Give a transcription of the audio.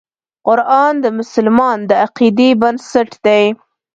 قرآن د مسلمان د عقیدې بنسټ دی.